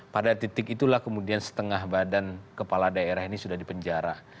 pada titik itulah kemudian setengah badan kepala daerah ini sudah dipenjara